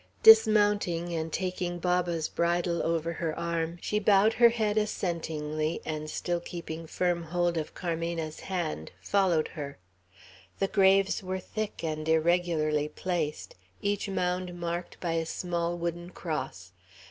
Dismounting, and taking Baba's bridle over her arm, she bowed her head assentingly, and still keeping firm hold of Carmena's hand, followed her. The graves were thick, and irregularly placed, each mound marked by a small wooden cross.